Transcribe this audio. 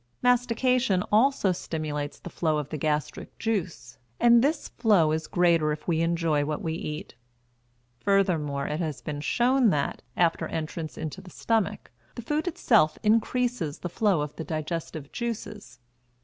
Mastication also stimulates the flow of the gastric juice, and this flow is greater if we enjoy what we eat. Furthermore, it has been shown that, after entrance into the stomach, the food itself increases the flow of the digestive juices.